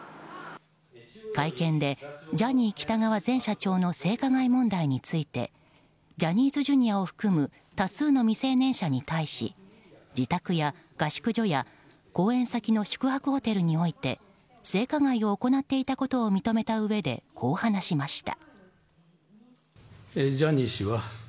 会見で、ジャニー喜多川前社長の性加害問題についてジャニーズＪｒ．を含む多数の未成年者に対し自宅や合宿所公演先の宿泊ホテルにおいて性加害を行っていたことを認めたうえで、こう話しました。